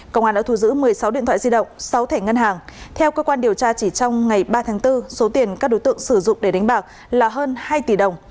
công an đã thu giữ một mươi sáu điện thoại di động sáu thẻ ngân hàng theo cơ quan điều tra chỉ trong ngày ba tháng bốn số tiền các đối tượng sử dụng để đánh bạc là hơn hai tỷ đồng